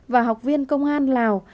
và học viên công an lào